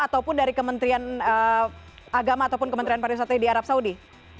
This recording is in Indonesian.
ataupun dari kementerian agama ataupun kementerian pariwisata di arab saudi